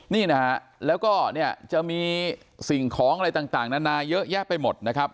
นี่นะฮะแล้วก็เนี่ยจะมีสิ่งของอะไรต่างนานาเยอะแยะไปหมดนะครับ